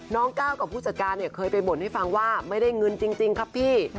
ก้าวกับผู้จัดการเนี่ยเคยไปบ่นให้ฟังว่าไม่ได้เงินจริงครับพี่